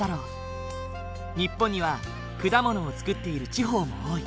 日本には果物を作っている地方も多い。